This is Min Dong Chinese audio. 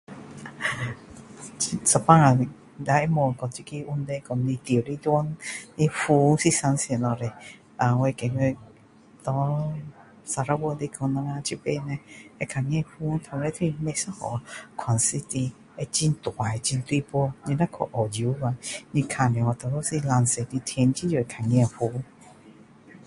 有时候我们会问这个问题说你住在哪里它云是怎样的呃我觉得给砂劳越来讲我们这边人会看见云每次都不一样的款式的是很大很大朵你若去澳洲啊它看上去多数都是蓝色的天很少看到云